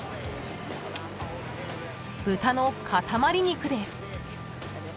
［豚の塊肉です］